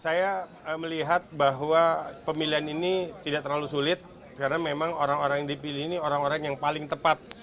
saya melihat bahwa pemilihan ini tidak terlalu sulit karena memang orang orang yang dipilih ini orang orang yang paling tepat